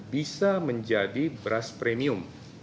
bisa menjadi beras premium